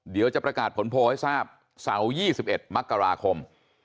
เดี๋ยวจะประกาศผลโพลให้ทราบเสาร์๒๑มกราคม